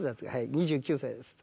「２９歳です」。